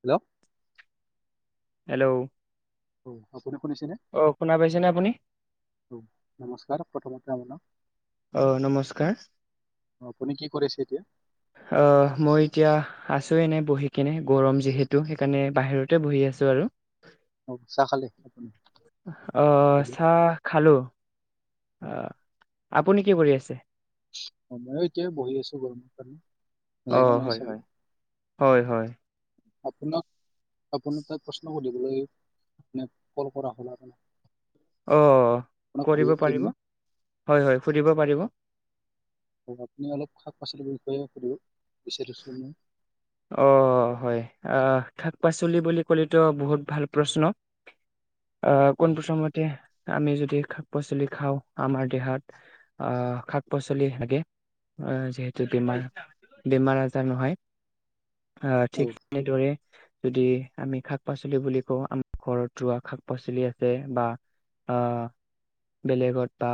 Hello hello অ আপুনি শুনিছেনে? অ', শুনা পাইছেনে আপুনি? নমস্কাৰ প্ৰথমতে আপোনাক অহ নমস্কাৰ। অ আপুনি কি কৰিছে এতিয়া অ মই এতিয়া আছো এনে বহি কিনে গৰম যিহেতু সেইকাৰণে বাহিৰতে বহি আছো আৰু। অ চাহ খালে আপুনি অহ গধূলি চাহ খালোঁ। অ অ আপুনি কি কৰি আছে? ময়ো এতিয়া বহি আছো গৰমৰ কাৰণে। অ লাইনো নাই হয় চাগে হয় হয় হয়। আপোনাক আপুনি তাই প্ৰশ্ন সুধিবলৈ কল কৰা হ'ল আৰু? অ কৰিব পাৰিব নে হয়, হয়। সুধিব পাৰিব। আপুনি অলপ শাক পাচলিৰ বিষয়ে সোধো। অ হয়। আহ, শাক পাচলি বুলি কলেতো বহুত ভাল প্ৰশ্ন। অ', পোন প্ৰথমে, আমি য [unintelligible] শাক পাচলি খাওঁ, আমাৰ দেহাত, আহ শাক পাচলি লাগে। অ', যে যদি অ আমাৰ, বেমাৰ আজাৰ নহয়, অ, ঠিক তেনেদৰে। যদি আমি শাক পাচলি বুলি কওঁ আমাৰ ঘৰত ৰোৱা শাক পাচলি আছে বা অ', বেলেগত বা,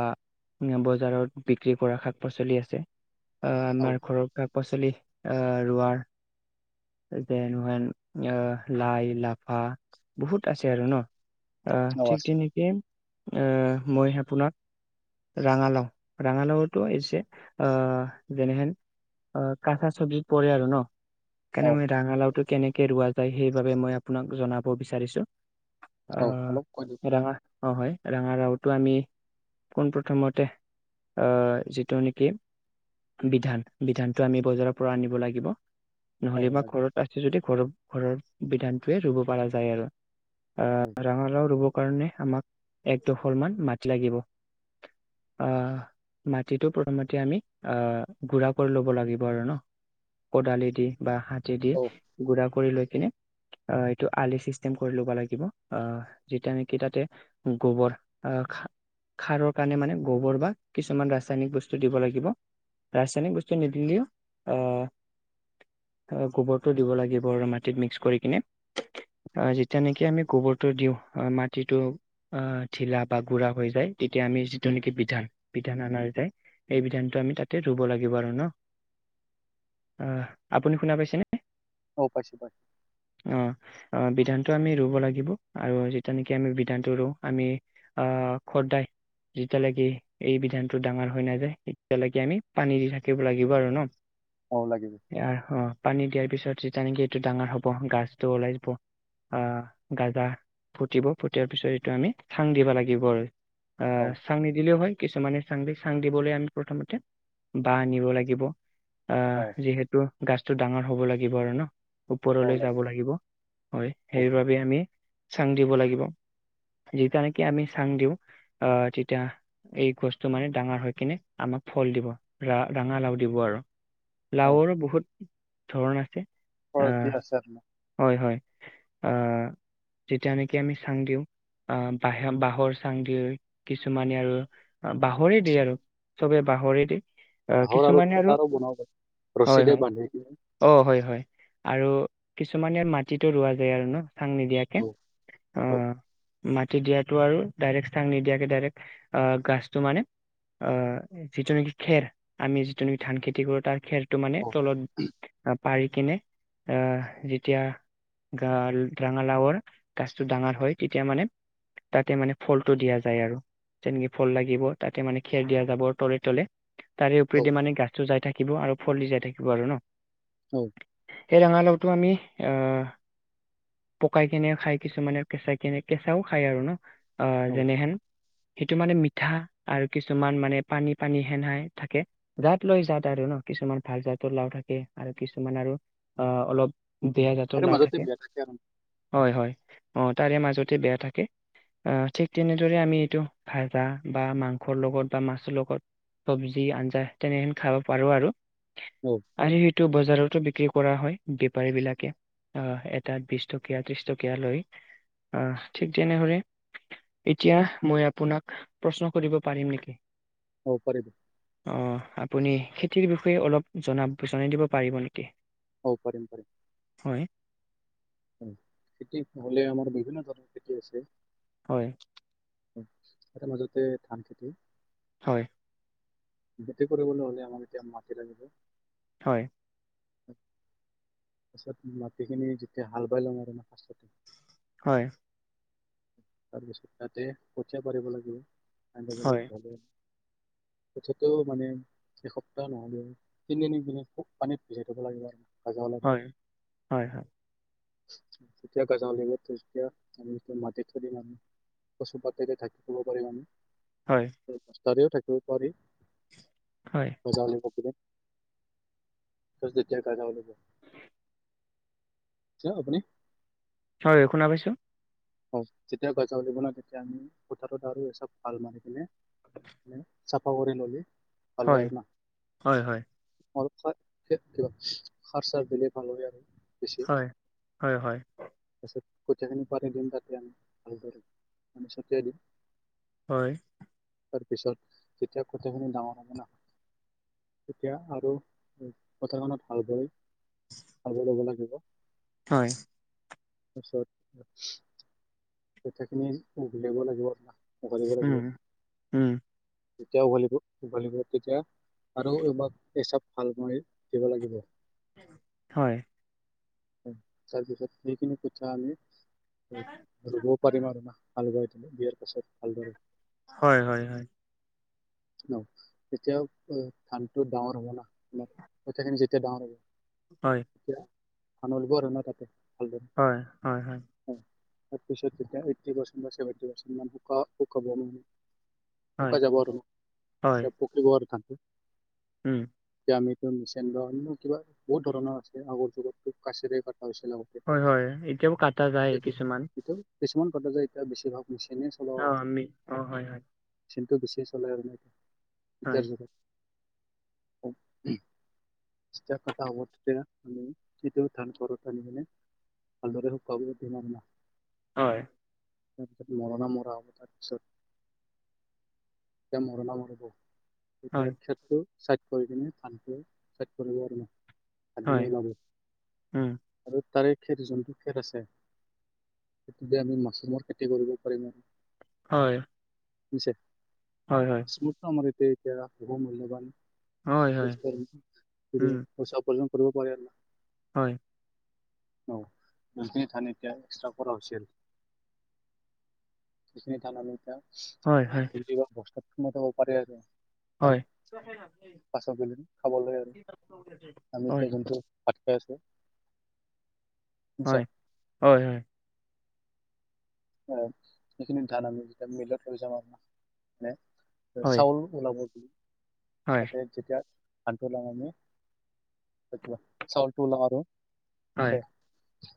বজাৰত বিক্ৰী কৰা শাক পাচলি আছে। অ', আমাৰ ঘৰৰ কাপ [unintelligible] অ', ৰোৱাৰ। [unintelligible] আহ অ ঠিক আছে তেনেকেই মই আপোনাক ৰঙালাও ৰঙালাওতো এছে যেনেহেন অ কঁচা চবজি পৰে আৰু ন সেইণে অ মই ৰঙালাওটো কেনেকে ৰোৱা ত সেইবাবে মই আপোনাক জনাব বিচাৰিছো অ অলপ কৈ দিয়ক [unintelligible] হয়। ৰঙাৰাও টো আমি পোন প্ৰথমতে যিটো নেকি? বিধান বিধানতটো আমি বজাৰৰ পৰা আনিব লাগিব অ নহলে বা লাগিব ঘৰত আছে যদি ঘৰৰ ঘৰৰ বিধানটোৱে ৰুব পৰা যায় আৰু। অ অহ ৰঙালাও ৰুবৰ কাৰণে আমাক এক দোখৰ মাটি মাতি লাগিব। আহ মাটিতটো প্ৰথমতে আমি আহ গুড়া কৰি ল'ব লাগিব আৰু ন, কদালি দি বা হাতী দি অ গুড়া কৰি লৈ কিনে আহ এইটো আলি চিষ্টেম কৰি ল'ব লাগিব আহ যেতিয়া নেকি তাতে গোবৰ আহ খা- খাৰৰ কাৰণে মানে গোবৰ বা কিছুমান ৰাসায়নিক বস্তু দিব লাগিব। ৰাসায়নিক বস্ত- তি নিদিলিও আহ গোবৰটো দিব লাগিব আৰু মাটিত মিক্স কৰি কিনে। অ যেতিয়া নেকি আমি গোবৰটো দিওঁ। হয় মাটিটো, অ, ঢিলা বা গুৰা হৈ যায় তেতিয়া আমি যিটো নেকি পিঠান, পিঠান আমাৰ তে এই বিধানটো আমি তাতে ৰুব লাগিব আৰু ন' অ, আপুনি শুনা পাইছেনে? অ', পাইছোঁ পাই অ [inaudible] অ', বিধানটো আমি ৰুব লাগিব, আৰু যিতিয়া নেকি আমি বিধানটো ৰুওঁ, আমি, আহ খৰদাই যেতিয়ালৈকে এই বিধানটো ডাঙৰ হৈ নাযায়, এতিয়ালৈকে আমি পানী দি থাকিব লাগিব আৰু ন'? অ লাগিব [unintelligible] পানী দিয়াৰ পিছত যেতিয়া নেকি এইটো ডাঙৰ হ [unintelligible] গাছটো ওলাই যাব। আহ গাজা ফুটিব ফুটিয়াৰ পিছত এইটো আমি চাং দিব লাগিব আৰু অ আহ চাংনি দিলেও হয়। কিছুমানে চাং দি চাং দিবলৈ আমি প্ৰথমতে বাহ আনিব লাগিব। আহ অ যিহেতু গাছটো ডাঙৰ হ'ব লাগিব আৰু ন ওপৰলৈ যাব লাগিব হয় অ সেইবাবে আমি চাং দিব লাগিব। যেতিয়া নেকি আমি চাং দিও আহ তেতিয়া এই গছটো মানে ডাঙৰ হৈ কিনে আমাৰ ফল দিব ৰা ৰঙা লাও দিব আৰু অ লাওৰো বহুত ধৰণ আছে আহ ন হয় হয় আহ যেতিয়া নেকি আমি চাং দিওঁ আহ বাঁহে বাঁহৰ চাং দি কিছুমানে আৰু বাঁহৰে দিয়ে আৰু চবে বাহৰে দি আহ হাহৰ কিছুমানে আৰু খুটাৰো বনাব পাৰি হয় ৰছীৰে হয় বান্ধি কিনে অ হয় হয় আৰু কিছুমান ইয়াৰ মাটিতো ৰোৱা যায় আৰু ন চাং নিদিয়াকে অ অ ম দিয়াতটো আৰু ডাইৰেক্ট চাং নিদিয়াকে ডাইৰেক্ট আহ গাছটো মানে অ যিটো নেকি খেৰ আমি যিটো নেকি ধান খেতি কৰো তাৰ খেৰ তটো মানে অ তলত পাৰি কিনে আহ যেতিয়া গ ৰঙালাওৰ গাছটো ডাঙৰ হয় তেতিয়া মানে তাতে মানে ফলটো দিয়া যায় আৰু তেনেকে ফল লাগিব তাতে মানে খেৰ দিয়া যাব তলে তলে তাৰে অ ওপৰিদি মানে গাছটো যাই থাকিব আৰু ফল দি যাই থাকিব আৰু ন হ সেই ৰঙালাওটো আমি আহ পকাই কেনে খায় কিছুমানে কেঁচা কেনে কেঁচাও খায় আৰু ন আহ অ যেনেহেন সেইটো মানে মিঠা আৰু কিছুমান মানে পানী পানী সেন হৈ থাকে জাত লৈ যাত আৰু ন কিছুমান ভাল জাতৰ লাও থাকে আৰু কিছুমান আৰু অ অলপ বেয়া জাতৰ তাৰে লাও মাজতে থাকে বিয়া আৰু হয় হয় অ তাৰে মাজতে বেয়া থাকে। অহ ঠিক তেনেদৰে আমি এইটো ভজা বা মাংসৰ লগত বা মাছৰ লগত চব্জি আঞ্জা তেনেকে খাব পাৰো আৰু অ আৰু সেইটো বজাৰতো বিক্ৰী কৰা হয়। বেপাৰী বিলাকে অহ এটাত বিশ টকীয়া ত্ৰিশ টকীয়া লৈ অ ঠিক তেনেহলে। এতিয়া মই আপোনাক প্ৰশ্ন কৰিব পাৰিম নেকি? অ পাৰিব। অ আপুনি খেতিৰ বিষয়ে অলপ জন জনাই দিব পাৰিব নেকি? অ পাৰিম পাৰিম। হয়। খেতি হলে আমাৰ বিভিন্ন ধৰণৰ খেতি আছে। হয়। আটা মাজতে ধান খেতি হয়। খেতি কৰিবলৈ হলে আমাক এতিয়া মাটি লাগিব। হয়। তাৰ পিছত মাটিখিনি যেতিয়া হাল বাই লম আৰু ন,,,, হয়। তাৰপিছত তাতে কঠীয়া পাৰিব লাগিব আনিবলৈ হয় গলে,,, [inaudible] তথাপিউ মানে এসপ্তাহ নহ'লেও তিনি দিন মান পানীত পিচাই থব লাগিব আৰু,,,, হয় হয় হয়,,,,, তেতিয়া গজাঁওঁ দিব তেতিয়া আমি মাটিত থৈ দিম আৰু,,, পশু পতি এতিয়া থাকিব পাৰিবনে হয় অহ থাকিব পাৰিম হয় বজ, অহ যেতিয়া থাকা যাম। কক আপুনি হয় শুনা পাইছ যেতিয়া গজউল বনাই তেতিয়া আমি পথাৰত আৰু এই চব হাল মাৰি দিও। চাফা কৰি ললে? ভাল হয় আৰু না হয় হয় অলপ কিবা হাৰ চাৰ দিলে ভাল হয় আৰু হয় হয় হয় তাৰপিছত কথাখিনি পাত। দিম তাতে আমি ভালদৰে মানে ছটিয়াই দিম। হয়। তাৰ পিছত তেতিয়া কঠিয়াখিনি ডাঙৰ হব ন। তেতিয়া আৰু কঠিয়াখনিত ভালকৈ ভাল ব লব লাগিব হয়। পিছত কঠিয়াখিনি উঘলিব লাগিব উঘালিব লাগিব উম উম। যেতিয়া উভলবল তেতিয়া আৰু এইবাক হিচাপ ভাল কৰি দিব লাগিব। হয়। তাৰপিছত সেইখিনি কঠিয়া আমি ৰুবও পাৰিম আৰু না হাল বাই। বিয়াৰ পাছত ভালদৰে হয় হয় হয়। [inaudible] ন তেতিয়া ধানটো ডাঙৰ হ'ব না আমাৰ কঠীয়াখিনি যেতিয়া ডাঙৰ হ'ব হয়, এতিয়া সামৰিব আৰু ন তাতে ভালদৰে হয় হয় হয় উম, তাৰপিছত এতিয়া এই পাৰ্চভেট পাৰ্চুাবে [unintelligible] হয়, শুকাই যাবক আৰু হয়, পুখুৰী বাৰ খানতে উম দামিন মিচন কিবা বহুত ধৰণৰ আছে আগৰ। বছৰেকত হয় হয় এতিয়াও কাটা যায় সেইটো কিছুমান। এইটো কিছুমান কাটা যায় এতিয়া বেছিভাগ মেচিনে চলাও অ আমি অ', হয়, হয়, টো গেছিয় চলাই আৰু ন জ হয়, যেতিয়া কটা হ'ব তেতিয়া কিতিয়া ঠণ্ পৰত আনি মানে ভালদৰে স কাব দিনাৰ ন হয়। তাৰপিছত মৰনা মৰা হ'ব তাৰপিছত যেতিয়া মৰনা মাৰিব এতিয়া হয়, খেটো চাইড কৰি কিনে ধানটো চাইড কৰিব আৰু ভাতিন হয়, ওলাব উম আৰু তাৰে খেৰ যোনটো খেৰ আছে সেইটো আমি মাছৰুমৰ খেতি কৰিব পাৰিম। হয়। হৈছে হয়, হয়, মাছৰুমতো আমাৰ ইয়াতে এতিয়া বহু মূল্যবান হয়, হয়, পইচা উম, উপাৰ্জন কৰিব পাৰিব পাৰে। হয়। অ যোনখিনি ধান এতিয়া এক্সট্ৰা কৰা হৈছিল সেখিনি ধান আমি হয়, হয়, হয়। এতিয়া বস্তাত ভৰাই থব পাৰে আৰু হয়, হয়, পাছত আমি খাবলৈ আৰু আমি হয়, এতিয়া যোনটো ঠিকে আছে। হয় হয় হয়। সিখিনি ধান আমি যেতিয়া মিলত লৈ যাম মানে। হয়, হয়, চাউল ওলাব হয়, তাতে যেতিয়া আট ল মি চ ট ল মাৰে হয়, [inaudible]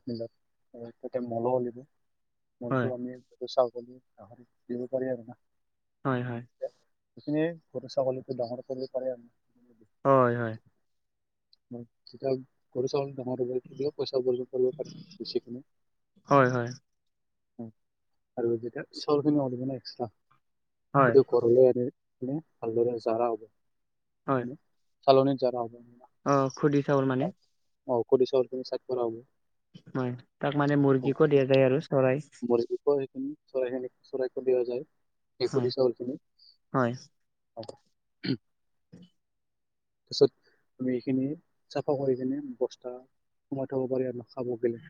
বিলাক ত তাতে মলো ওলিব হয়, মলটো আমি। চাল দিব পাৰি আৰু না হয় হয় সেই ঘৰু ছাগলী ডাঙৰ কৰিব পাৰে আৰু। হয় হয়। মতি কৰ চা [inaudible] পইচা উপাৰ্জন কৰিব পাৰি বেছিকিনে। হয়, আৰু যেতিয়া চলিন এক্ হয়, ঘৰ আ [inaudible] ভালদৰে জাৰা হ'ব চালনিত জাৰা হ'ব। আহ খুধি চাউল মানে। অ খুধি চাউল কৰা হব। হয় তাক মানে মুৰ্গীকো দিয়া যায় আৰু চৰাই। চৰাই খিনি চৰাইক দিয়া যায় হয়। খুধি চাউল খিনি। হয় তাৰপিছত তুমি চাফা কৰি কিনে বস্তা সোমাই থব পাৰি আৰু ন খাব গেলে।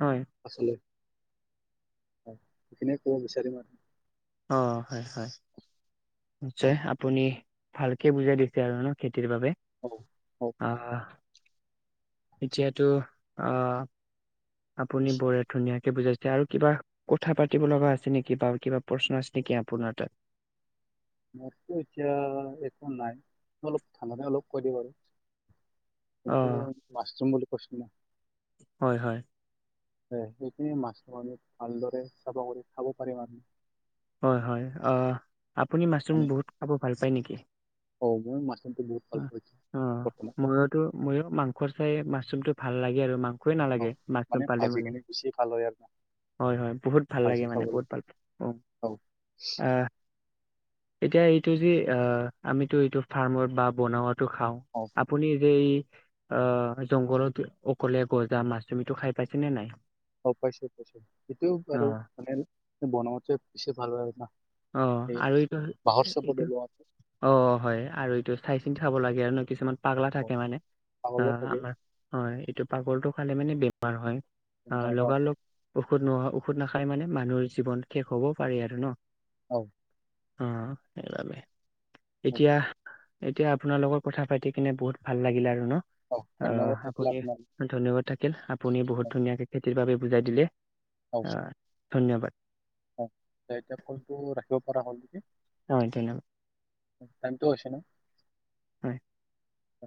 হয় আচ সেইখিনিয়ে কব বিচাৰিম আৰু। অ হয় হয় নিশ্চয় আপুনি ভালকে বুজাই দিছে আৰু ন খেতিৰ বাবে অঁ, হওক আহ। এতিয়াতো আহ আপুনি বৰ ধুনীয়াকে বুজাইছে আৰু কিবা কথা পাতিব লগা আছে নেকি বাৰু কিবা প্ৰশ্ন আছিল? কি আপোনাৰ তাত। [inaudible] মইটো এতিয়া একো নাই অলপ ঠাণ্ডাতে অলপ কৰি দিব বাৰু অ কিন্ত মাছৰুম বুলি কৈছিলে। হয় হয়। হয় সেইখিনি মাছ আমি ভালদৰে চাফা কৰি খাব পাৰিম আমি হয় হয়। অ আপুনি মাছৰুম মানে বহুত খাব ভাল পায় নেকি? অ মই মাছৰুমটো বহুত ভাল পাওঁ এতিয়া অ বৰ্তমান মইতো মইও মাংস চাই মাছ যোনটো ভাল লাগে আৰু মাংসই অ নালাগে মাছ নাপালে ভাজি মানে কিনে বেছি ভাল হয় আৰু না, হয় হয় বহুত ভাল লাগে ভাজি মানে খাবলৈ বহুত ভাল অ। অ। আহ এতিয়া এইটো যে অ আমিতো এইটো ফাৰ্মত বা বনাওঁ টো খাওঁ অ আপুনি যে এই অ জংঘলত অকলে গজা মাচৰুম এইটো খাই পাইছে নে নাই? অ পাইছো পাইছো সেইটো অ বাৰু মানে বনাওঁতে বেছি ভাল লাগে ন। অ আৰু এইটো এইটো ওলোৱাটো অ হয় আৰু এইটো চাই কিনি খাব লাগে আৰু ন কিছুমান পাগলা অ থাকে মানে, অ ছাগলো থাকে আমাৰ হয় এইটো পাগলটো খালে মানে বেমাৰ হয়, তেনেহলে অ লগা লগ ঔষধ নোহোৱা ঔখধ নাখালে মানে মানুহৰ জীৱন শেষ হ'ব পাৰে আৰু ন। অ। অ সেইবাবে অ এতিয়া এতিয়া আপোনাৰ লগত কথা পাতি কিনে বহুত ভাল লাগিলে আৰু। অ ধন্যবাদ থাকিল আপুনি আপোনাৰ ধন্যবাদ থাকিল আপুনি বহুত ধুনীয়াকে খেতিৰ বাবে বুজাই দিলে, অ ধন্যবাদ। এতিয়া কলটো ৰাখিব পৰা হ'ল নেকি। হয় ধন্যবাদ। টাইমটো হৈছে না। হয়। অ।